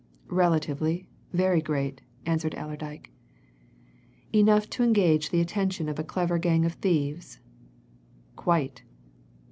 "Relatively, very great," answered Allerdyke. "Enough to engage, the attention of a clever gang of thieves?" "Quite!"